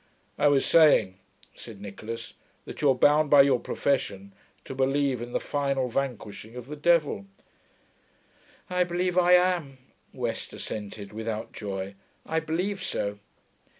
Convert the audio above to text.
'I was saying,' said Nicholas, 'that you're bound, by your profession, to believe in the final vanquishing of the devil.' 'I believe I am,' West assented, without joy. 'I believe so.'